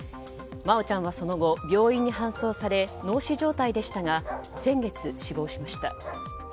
真愛ちゃんはその後病院に搬送され脳死状態でしたが先月、死亡しました。